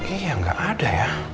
iya gak ada ya